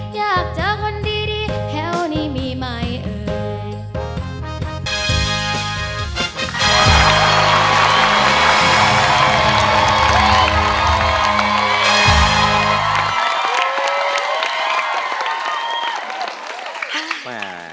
อยากเจอคนดีแถวนี้มีไหมเอ่ย